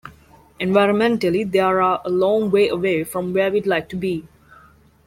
Environmentally, they're a long way away from where we'd like to be.